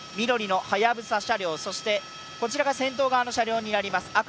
緑のはやぶさ車両、こちらが先頭側の車両になります。